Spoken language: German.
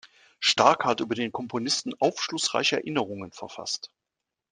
Starke hat über den Komponisten aufschlussreiche Erinnerungen verfasst.